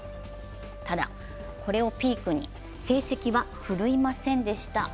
ただ、これをピークに成績は振るいませんでした。